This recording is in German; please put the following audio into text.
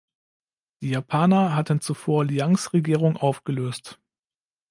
Die Japaner hatten zuvor Liangs Regierung aufgelöst.